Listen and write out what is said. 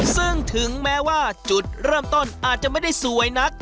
ซึ่งถึงแม้ว่าจุดเริ่มต้นอาจจะไม่ได้สวยนัก